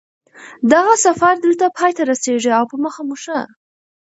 دغه سفر دلته پای ته رسېږي او په مخه مو ښه